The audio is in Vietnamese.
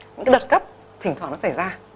những đợt cấp thỉnh thoảng nó xảy ra